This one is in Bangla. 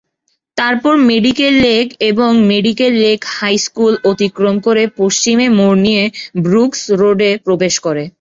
তারপর মেডিকেল লেক এবং মেডিকেল লেক হাইস্কুল অতিক্রম করে পশ্চিমে মোড় নিয়ে ব্রুকস রোডে প্রবেশ করে।